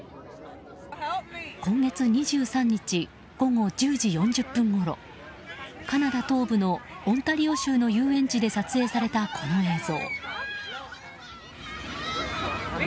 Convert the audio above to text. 今月２３日午後１０時４０分ごろカナダ東部のオンタリオ州の遊園地で撮影されたこの映像。